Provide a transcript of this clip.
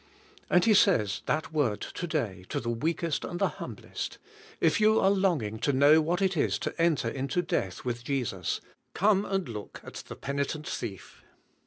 And He says that word to day, to the weakest and the humblest; if you are longing to know what it is to enter into death with Jesus, come and look at the penitent thief.